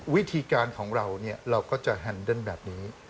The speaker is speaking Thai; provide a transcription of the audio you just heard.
วิธีการของเราเราก็จะแฮนเดิร์นแบบนี้